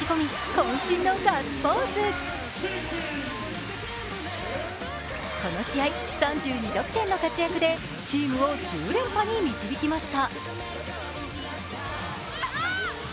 この試合、３２得点の活躍でチームを１０連覇に導きました。